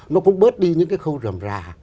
nó cũng bớt đi những cái khâu rầm rà